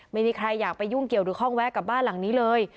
ไม่มีใครอยากไปยุ่งเกี่ยวหรือข้องแวะกับบ้านหลังนี้เลย